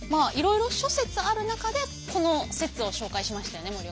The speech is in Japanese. いろいろ諸説ある中でこの説を紹介しましたよね